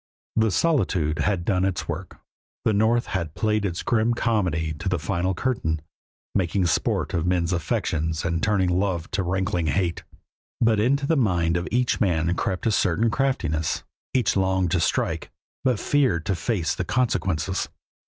The solitude had done its work; the North had played its grim comedy to the final curtain, making sport of men's affections and turning love to rankling hate. But into the mind of each man crept a certain craftiness. Each longed to strike, but feared to face the consequences.